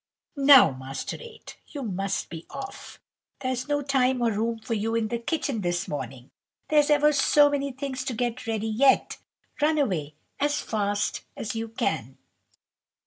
"Now, Master No. 8, you must be off. There's no time or room for you in the kitchen this morning. There's ever so many things to get ready yet. Run away as fast as you can."